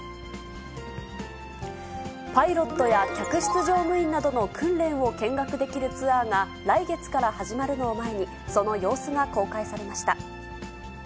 パイロットや客室乗務員などの訓練を見学できるツアーが、来月から始まるのを前に、その様子が公開されました。